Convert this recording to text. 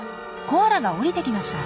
コアラが下りてきました。